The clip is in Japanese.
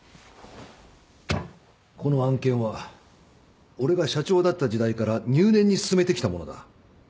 この案件は俺が社長だった時代から入念に進めてきたものだ。